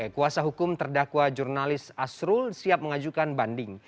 kuasa hukum terdakwa jurnalis asrul siap mengajukan banding